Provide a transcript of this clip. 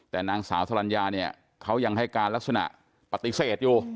แต่นางสาวสลัญญาเนี่ยเขายังให้การลักษณะปฏิเสธอยู่